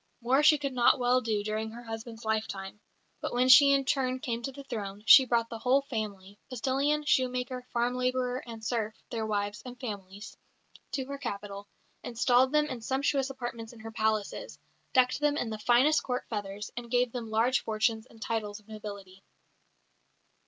More she could not well do during her husband's lifetime, but when she in turn came to the throne, she brought the whole family postillion, shoemaker, farm labourer and serf, their wives and families to her capital, installed them in sumptuous apartments in her palaces, decked them in the finest Court feathers, and gave them large fortunes and titles of nobility.